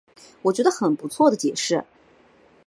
我觉得很不错的解释